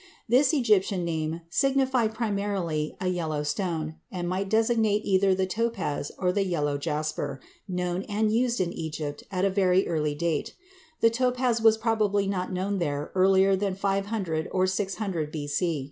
This Egyptian name signified primarily a "yellow stone," and might designate either the topaz or the yellow jasper, known and used in Egypt at a very early date; the topaz was probably not known there earlier than 500 or 600 B.C.